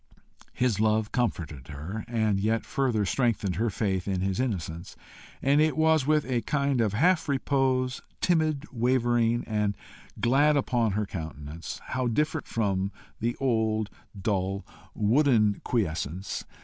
His love comforted her, and yet further strengthened her faith in his innocence; and it was with a kind of half repose, timid, wavering, and glad, upon her countenance how different from the old, dull, wooden quiescence!